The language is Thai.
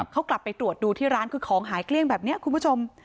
เขากลับไปตรวจดูที่ร้านคือของหายเกลี้ยงแบบนี้คุณผู้ชม